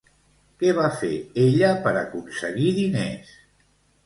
Què va fer ella per aconseguir diners?